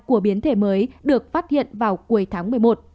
của biến thể mới được phát hiện vào cuối tháng một mươi một